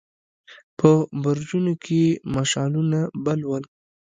په برجونو کې يې مشعلونه بل ول.